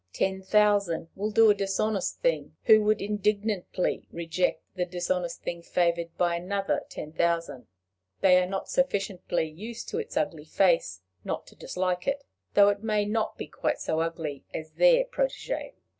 Ten thousand will do a dishonest thing, who would indignantly reject the dishonest thing favored by another ten thousand. They are not sufficiently used to its ugly face not to dislike it, though it may not be quite so ugly as their protege.